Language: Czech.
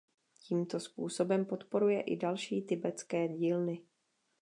Tímto způsobem podporuje i další tibetské dílny.